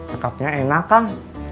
akapnya enak kak